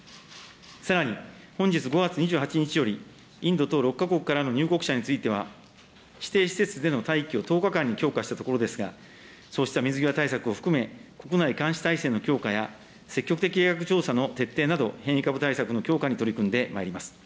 さらに本日５月２８日より、インド等６か国の入国者については、指定施設での待機を１０日間に強化したところですが、そうした水際対策を含め、国内監視体制の強化や、積極的疫学調査の徹底など、変異株対策の強化に取り組んでまいります。